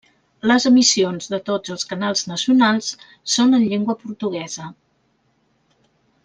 Les emissions de tots els canals nacionals són en llengua portuguesa.